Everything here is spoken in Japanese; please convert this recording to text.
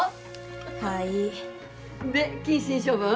はいいで謹慎処分？